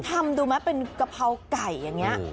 ทำดูมั้ยเป็นกะเพราไก่อย่างเนี่ย